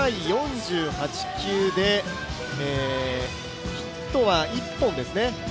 ４回４８球で、ヒットは１本ですね。